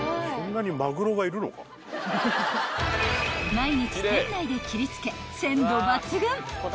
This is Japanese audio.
［毎日店内で切り付け鮮度抜群］